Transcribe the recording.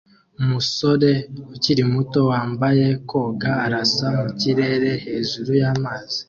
Umusore ukiri muto wambaye koga arasa mu kirere hejuru y'amazi